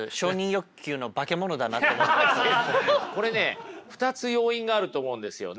これね２つ要因があると思うんですよね。